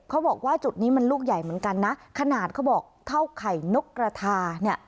เขาบอกว่าจุดนี้มันลูกใหญ่เหมือนกันนะขนาดเขาบอกเท่าไข่นกกระทาเนี่ย